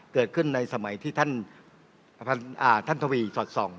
เกิดขึ้นในสมัยที่ท่านทวีสอดส่อง